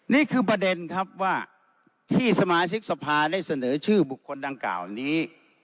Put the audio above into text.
นี่คือประเด็นครับว่าที่สมาชิกสภาได้เสนอชื่อบุคคลดังกล่าวนี้